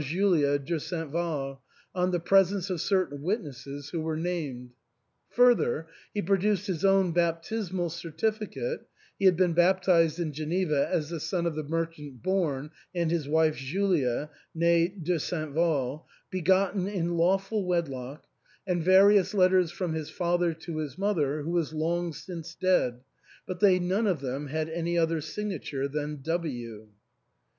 Julia de St. Val, in the presence of certain witnesses, who were named Further, he pro duced his own baptismal certificate (he had been bap tized in Geneva as the son of the merchant Born and his wife Julia, nie De St. Val, begotten in lawful wed lock), and various letters from his father to his mother, who was long since dead, but they none of them had any other signature than W.